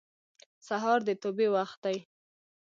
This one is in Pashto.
سهار د توبې وخت دی.